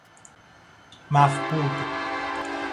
مفقود